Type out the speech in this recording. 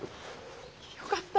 よかった。